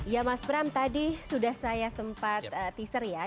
ya mas bram tadi sudah saya sempat teaser ya